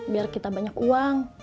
biar kita banyak uang